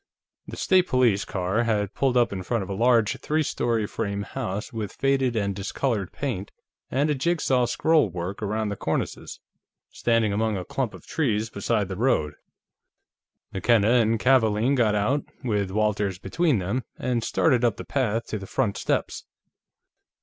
The State Police car had pulled up in front of a large three story frame house with faded and discolored paint and jigsaw scrollwork around the cornices, standing among a clump of trees beside the road. McKenna and Kavaalen got out, with Walters between them, and started up the path to the front steps.